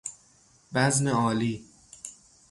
بزم عالی